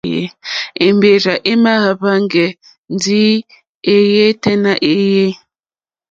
Èmbèrzà èmàáhwɛ̄ŋgɛ̄ ndí èéyɛ́ tɛ́ nà èéyé.